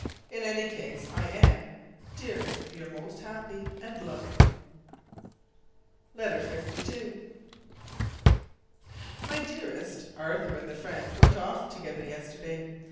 In any case, I am, dearest, your most happy and loving. LETTER LII. My Dearest: Arthur and the friend went off together yesterday.